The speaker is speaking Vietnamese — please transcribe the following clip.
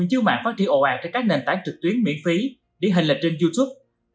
cho các nền tảng trực tuyến miễn phí đi hình lệch trên youtube